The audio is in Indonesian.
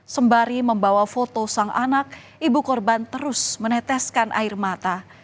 sembari membawa foto sang anak ibu korban terus meneteskan air mata